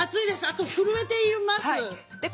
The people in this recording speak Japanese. あと震えています。